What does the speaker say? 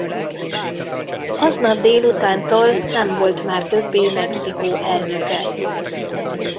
Aznap délutántól nem volt már többé Mexikó elnöke.